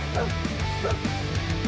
sampai jumpa lagi